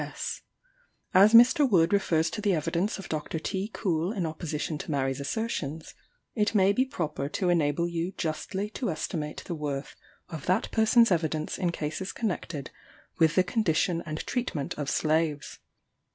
S. As Mr. Wood refers to the evidence of Dr. T. Coull in opposition to Mary's assertions, it may be proper to enable you justly to estimate the worth of that person's evidence in cases connected with the condition and treatment of slaves.